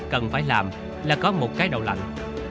cần phải làm là có một cái đầu lạnh